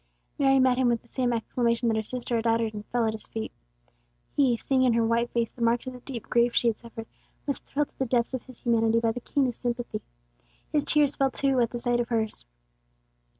Mary met Him with the same exclamation that her sister had uttered, and fell at His feet. He, seeing in her white face the marks of the deep grief she had suffered, was thrilled to the depths of His humanity by the keenest sympathy. His tears fell too, at the sight of hers.